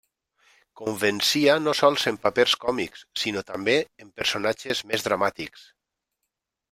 Convencia no sols en papers còmics, sinó també en personatges més dramàtics.